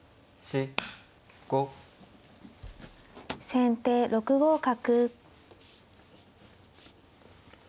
先手６五角。